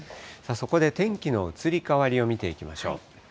そこで天気の移り変わりを見ていきましょう。